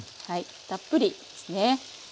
たっぷりですね。